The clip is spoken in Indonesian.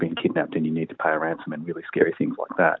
dan kita lebih mungkin membuat pilihan yang tidak bisa kita lakukan